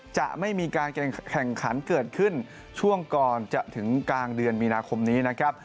จะไม่มีการแข่งขันเกิดขึ้นช่วงก่อนจะถึงกลางเดือนมีนาคมนี้นะครับ